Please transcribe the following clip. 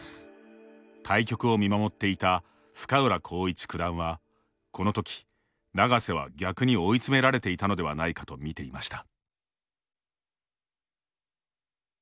対局を見守っていた深浦康市九段はこのとき永瀬は逆に追い詰められていたのではないかとみていました。